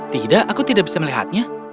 tidak aku tidak bisa melihatnya